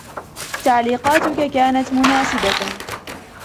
تعليقاتك كانت مناسبة.